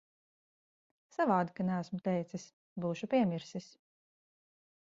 Savādi, ka neesmu teicis. Būšu piemirsis.